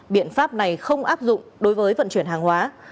biện pháp này không áp dụng đối với vận chuyển hàng hóa